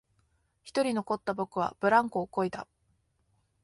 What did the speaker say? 一人残った僕はブランコをこいだ